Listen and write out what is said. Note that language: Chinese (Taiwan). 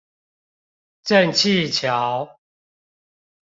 正氣橋